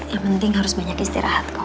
yang penting harus banyak istirahat kok